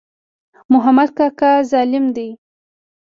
محمود کاکا ظالم دی.